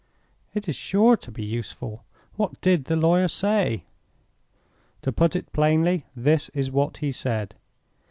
"It is sure to be useful. What did the lawyer say?" "To put it plainly, this is what he said.